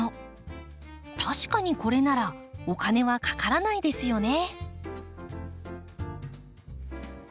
確かにこれならお金はかからないですよね。